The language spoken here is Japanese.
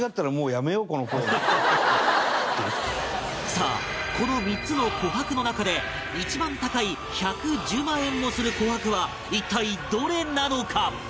さあこの３つの琥珀の中で一番高い１１０万円もする琥珀は一体どれなのか？